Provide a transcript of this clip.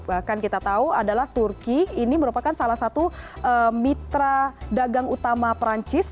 bahkan kita tahu adalah turki ini merupakan salah satu mitra dagang utama perancis